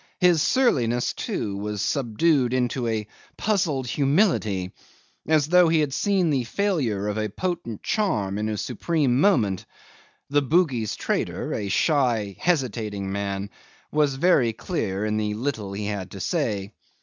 His surliness, too, was subdued into puzzled humility, as though he had seen the failure of a potent charm in a supreme moment. The Bugis trader, a shy hesitating man, was very clear in the little he had to say.